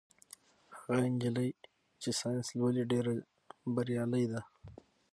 هغه نجلۍ چې ساینس لولي ډېره بریالۍ ده.